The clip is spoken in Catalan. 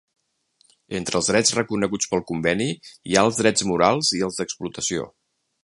Entre els drets reconeguts pel conveni hi ha els drets morals i els d'explotació.